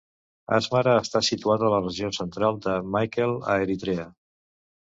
Asmara està situat a la regió central de Maekel, a Eritrea.